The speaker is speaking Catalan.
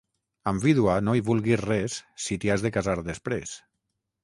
Amb vídua no hi vulguis res, si t'hi has de casar després.